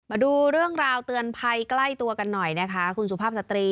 มาดูเรื่องราวเตือนภัยใกล้ตัวกันหน่อยนะคะคุณสุภาพสตรี